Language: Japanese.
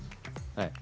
はい。